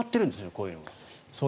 こういうのが。